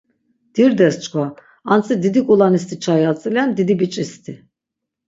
Dirdes çkva...antzi didi k̆ulanisti çai atzilen didi biç̆isti...